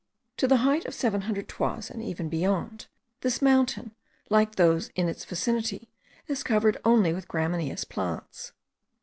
To the height of 700 toises, and even beyond, this mountain, like those in its vicinity, is covered only with gramineous plants.